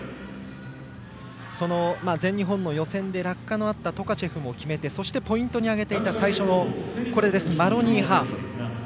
その全日本予選で落下のあったトカチェフも決めてしかもポイントに挙げていた最初のマロニーハーフ。